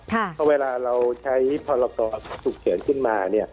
เพราะเวลาเราใช้พรกรฉุกเฉินขึ้นมา